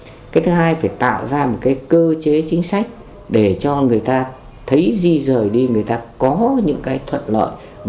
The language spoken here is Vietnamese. người ta có những cái thuận lợi vẫn tiếp tục phát triển được cái thứ hai phải tạo ra một cái cơ chế chính sách để cho người ta thấy di rời đi người ta có những cái thuận lợi vẫn tiếp tục phát triển được